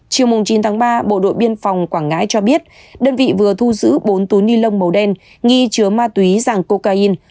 chiều chín tháng ba bộ đội biên phòng quảng ngãi cho biết đơn vị vừa thu giữ bốn túi ni lông màu đen nghi chứa ma túy giàng cocaine